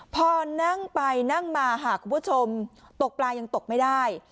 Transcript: พอนั่งไปนั่งมาค่ะคุณผู้ชมตกปลายังตกไม่ได้